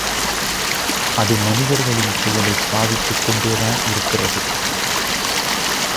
அது மனிதர்களின் செயலைப் பாதித்துக் கொண்டே தான் இருக்கிறது.